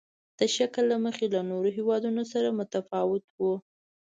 د شکل له مخې له نورو هېوادونو سره متفاوت وو.